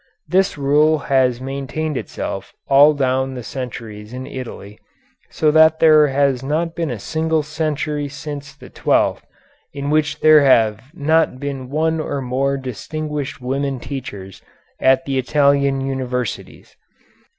This rule has maintained itself all down the centuries in Italy, so that there has not been a single century since the twelfth in which there have not been one or more distinguished women teachers at the Italian universities.